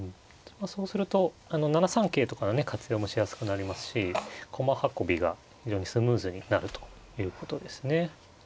そうすると７三桂とかがね活用もしやすくなりますし駒運びが非常にスムーズになるということですね。